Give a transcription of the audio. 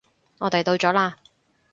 我哋到咗喇